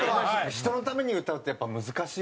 人のために歌うってやっぱ難しいっすね。